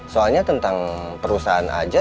soalnya tentang perusahaan aja